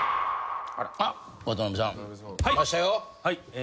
はい。